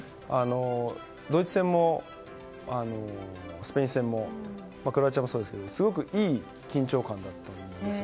ドイツ戦も、スペイン戦もクロアチアもそうですがすごくいい緊張感だったと思うんですよ。